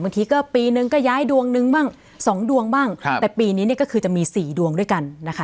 บางทีก็ปีนึงก็ย้ายดวงนึงบ้างสองดวงบ้างแต่ปีนี้เนี่ยก็คือจะมีสี่ดวงด้วยกันนะคะ